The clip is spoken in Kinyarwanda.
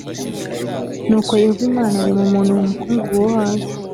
nuko yehova imana arema umuntu mu mukungugu wo hasi